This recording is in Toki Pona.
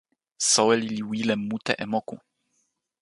soweli li wile mute e moku.